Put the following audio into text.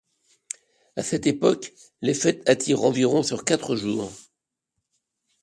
À cette époque, les Fêtes attirent environ sur quatre jours.